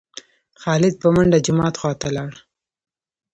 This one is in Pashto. خالد په منډه جومات خوا ته لاړ.